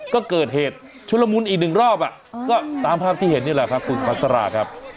ก็เกิดเหตุชุลมุนอีกหนึ่งรอบก็ตามภาพที่เห็นนี่แหละครับคุณพัสราครับ